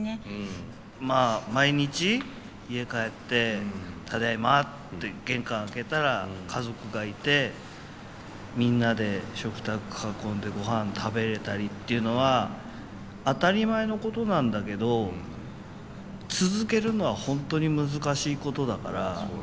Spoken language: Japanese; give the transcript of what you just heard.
まあ毎日家帰ってただいまって玄関開けたら家族がいてみんなで食卓囲んでごはん食べれたりっていうのは当たり前のことなんだけど続けるのは本当に難しいことだから。